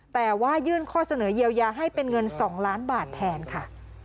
แต่ว่ายื่นข้อเสนอเยียวยาให้เป็นเงิน๒ล้านบาทแทนค่ะ